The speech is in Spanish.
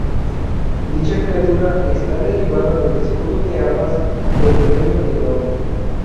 Dicha criatura está derivada del escudo de armas del reino de León.